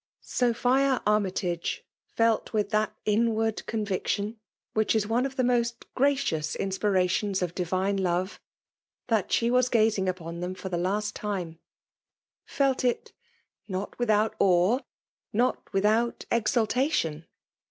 Sophia Armytage felt with that inward conviction, which is one of the most gracious inspiratipns of divine }ore, thai slie ^as gazing upon tKem for tlte labt time ; ^eltf it> notmthout avre, nof tnih 'out exultatioii.